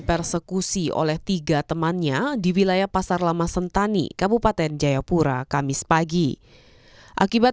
persekusi oleh tiga temannya di wilayah pasar lama sentani kabupaten jayapura kamis pagi akibat